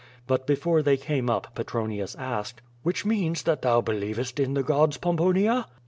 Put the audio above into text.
But before they came up Petronius asked: "Which means that thou believest in the gods, Pomponia?"